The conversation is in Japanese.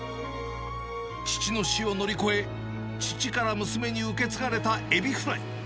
父の死を乗り越え、父から娘に受け継がれたエビフライ。